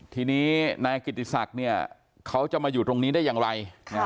ทีนี้นายกิติศักดิ์เขาจะมาอยู่ตรงนี้ได้อย่างไร